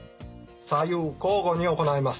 左右交互に行います。